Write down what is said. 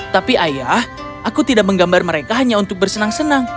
tapi ayah aku tidak menggambar mereka hanya untuk bersenang senang